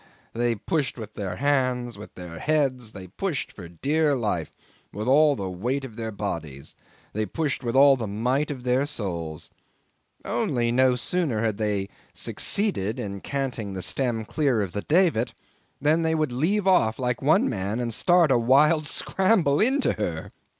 They pushed with their hands, with their heads, they pushed for dear life with all the weight of their bodies, they pushed with all the might of their souls only no sooner had they succeeded in canting the stem clear of the davit than they would leave off like one man and start a wild scramble into her.